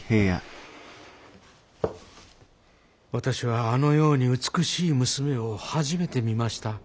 私はあのように美しい娘を初めて見ました。